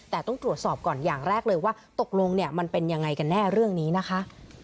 แต่ต้องตรวจสอบก่อนอย่างแรกเลยว่าตกลงเนี่ยมันเป็นยังไงกันแน่เรื่องนี้นะคะ